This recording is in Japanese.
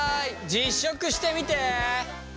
実食してみて！